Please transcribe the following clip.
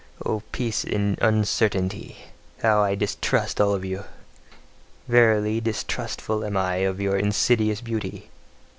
O peace in uncertainty! How I distrust all of you! Verily, distrustful am I of your insidious beauty!